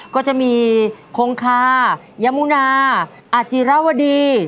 ก็จะมีคงคายามูนาอาจิรวดี